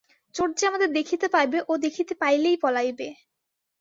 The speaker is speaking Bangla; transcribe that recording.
চোর যে আমাদের দেখিতে পাইবে ও দেখিতে পাইলেই পলাইবে।